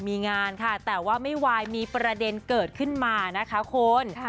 มีงานค่ะแต่ว่าไม่ไหวมีประเด็นเกิดขึ้นมานะคะคุณ